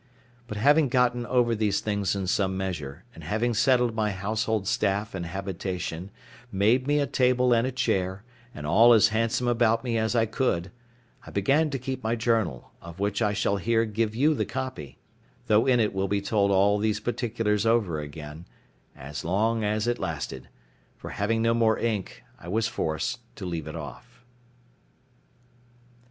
But having gotten over these things in some measure, and having settled my household staff and habitation, made me a table and a chair, and all as handsome about me as I could, I began to keep my journal; of which I shall here give you the copy (though in it will be told all these particulars over again) as long as it lasted; for having no more ink, I was forced to leave it off.